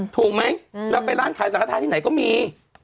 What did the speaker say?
ถูกไหมเราไปร้านขายสาขาท้ายที่ไหนก็มี